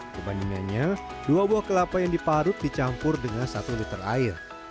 kebandingannya dua buah kelapa yang diparut dicampur dengan satu liter air